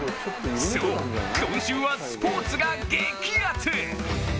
そう、今週はスポーツが激アツ。